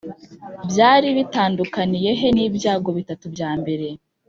Byari bitandukaniye he n ibyago bitatu bya mbere